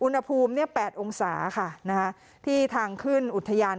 อุณหภูมิ๘องศาค่ะที่ทางขึ้นอุทยาน